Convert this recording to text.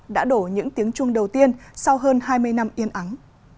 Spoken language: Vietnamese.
đã đổ những tiếng chuông đầu tiên sau hơn hai mươi năm yên ắng